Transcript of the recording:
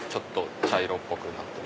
茶色っぽくなってる。